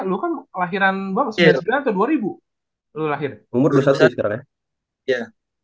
lu kan lahiran banget dua ribu lahir umur dua puluh satu ya